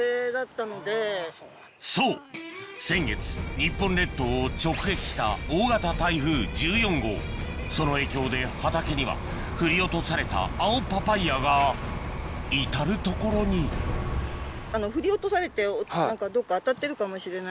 そう先月日本列島を直撃したその影響で畑には振り落とされた青パパイヤが至る所に振り落とされて何かどっか当たってるかもしれないですけど。